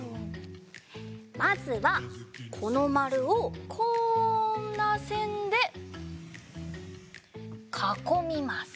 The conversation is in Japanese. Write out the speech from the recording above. まずはこのまるをこんなせんでかこみます。